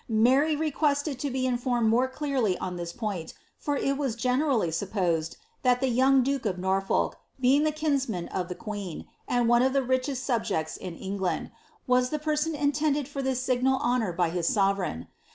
Mary requested to be informed more clearly on this point, for it was generally sopposed, that the young duke of Norfolk, being the kinsman of the queen, and one of the richest subjects in England, was the person intended for this signal honour by his sovereign.